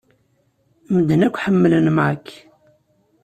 Medden akk ḥemmlen Mac.